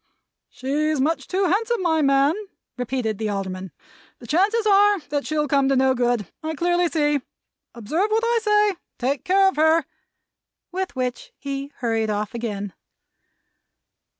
"She's much too handsome, my man," repeated the Alderman. "The chances are, that she'll come to no good, I clearly see. Observe what I say. Take care of her!" With which, he hurried off again.